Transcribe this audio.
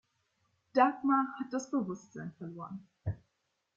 Dagmar hat das Bewusstsein verloren.